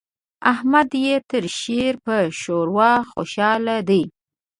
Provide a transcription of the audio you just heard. احمد يې تر شير په شېروا خوشاله دی.